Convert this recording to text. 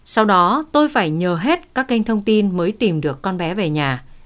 sau đó tôi phải nhờ hết các kênh thông tin mới tìm được con bé về nhà